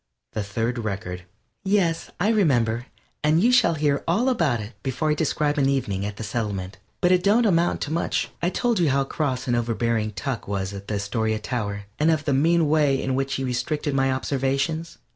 THE THIRD RECORD Yes, I remember, and you shall hear all about it before I describe an evening at the Settlement, but it don't amount to much. I told you how cross and over bearing Tuck was at the Astoria tower, and of the mean way in which he restricted my observations.